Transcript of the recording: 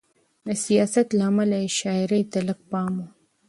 د سیاست له امله یې شاعرۍ ته لږ پام و.